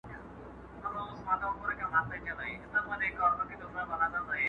ما منلی پر ځان حکم د سنګسار دی,